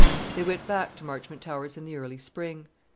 They went back to Marchmont Towers in the early spring.